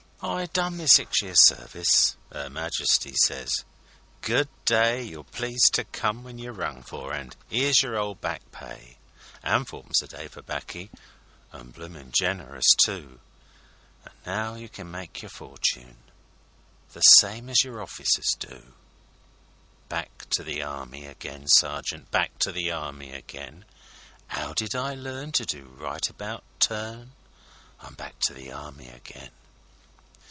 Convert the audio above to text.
I done my six years' service. 'Er Majesty sez: âGood day You'll please to come when you're rung for, an' 'ere's your 'ole back pay; An' fourpence a day for baccy an' bloomin' gen'rous, too; An' now you can make your fortune the same as your orf'cers do.â Back to the Army again, sergeant, Back to the Army again; 'Ow did I learn to do right about turn? I'm back to the Army again!